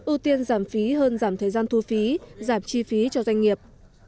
ưu tiên giảm phí hơn giảm thời gian thu phí giảm chi phí cho doanh nghiệp